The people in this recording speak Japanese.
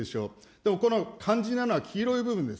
でも、この肝心なのは黄色い部分です。